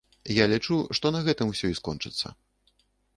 Я лічу, што на гэтым усё і скончыцца.